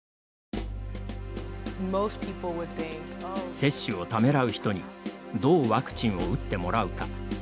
接種をためらう人にどうワクチンを打ってもらうか。